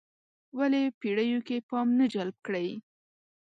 ولې پېړیو کې پام نه جلب کړی.